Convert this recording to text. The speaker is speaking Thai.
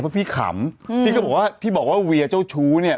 เพราะพี่ขำพี่ก็บอกว่าที่บอกว่าเวียเจ้าชู้เนี่ย